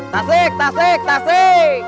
tasik tasik tasik